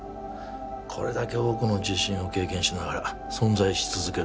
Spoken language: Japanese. これだけ多くの地震を経験しながら存在し続ける